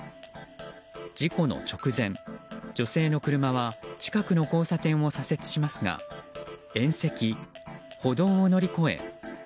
事故の直前、女性の車は近くの交差点を左折しますが縁石、歩道を乗り越え。